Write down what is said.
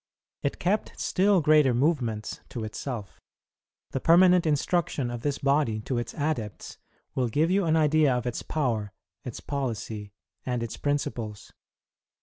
It kept still greater movements to itself. The permanent instruction of this body to its adepts, will give you an idea of its power, its policy, and its principles.